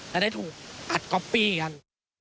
และได้ถูกอัดก๊อปปี้กัน